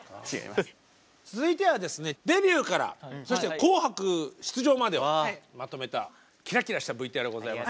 続いてはですねデビューからそして「紅白」出場までをまとめたキラキラしたＶＴＲございます。